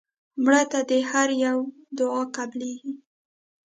مړه ته د هر یو دعا قبلیږي